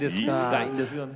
深いんですよね。